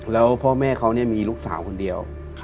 แล้วพ่อแม่เขามีลูกสาวคนเดียว